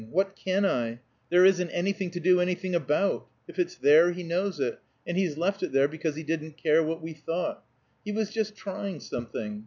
What can I! There isn't anything to do anything about. If it's there, he knows it, and he's left it there because he didn't care what we thought. He was just trying something.